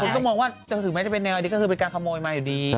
คุณก็มองว่าถึงมั้ยจะเป็นแนวไอเดียก็คือมีการขโมยมาอยู่ดี